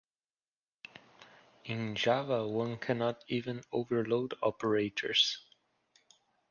In Java one cannot even overload operators.